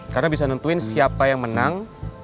karena bisa nentuin siapa yang menang